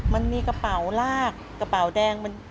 มันมีกระเป๋าลากกระเป๋าแดง